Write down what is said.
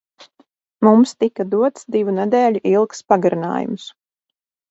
Mums tika dots divu nedēļu ilgs pagarinājums.